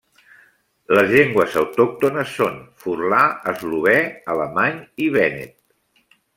Les llengües autòctones són: furlà, eslovè, alemany i vènet.